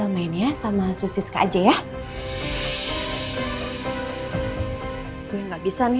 main ya sama susies kak aja ya